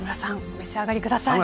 お召し上がりください。